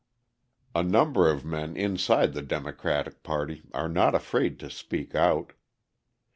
A number of men inside the Democratic party are not afraid to speak out.